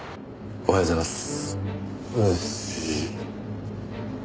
おはようございます。